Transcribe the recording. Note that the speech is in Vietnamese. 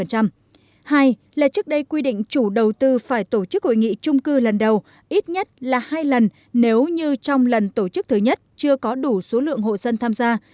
hai là trước đây quy định chủ đầu tư phải tổ chức hội nghị trung cư lần đầu ít nhất là hai lần nếu như trong lần tổ chức thứ nhất chưa có đủ số lượng hộ dân tham gia